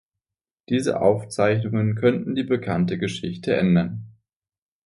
Diese Aufzeichnungen könnten die bekannte Geschichte ändern.